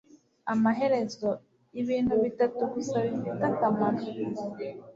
Amaherezo, ibintu bitatu gusa bifite akamaro: